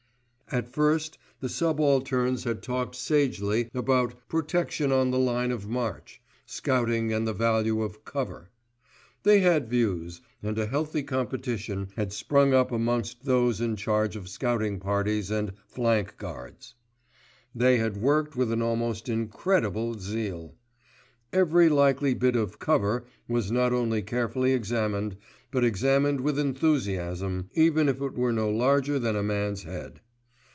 At first the subalterns had talked sagely about "protection on the line of march," scouting and the value of "cover." They had views, and a healthy competition had sprung up amongst those in charge of scouting parties and "flank guards." They had worked with an almost incredible zeal. Every likely bit of "cover" was not only carefully examined, but examined with enthusiasm, even if it were no larger than a man's head.